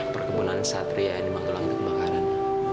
perkebunan satria ini mah terlangsung kebakaran